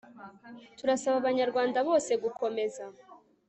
turasaba abanyarwanda bose gukomeza